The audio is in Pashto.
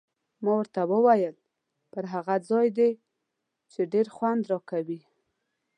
ما ورته وویل: پر هغه ځای دې، چې ډېر خوند راکوي.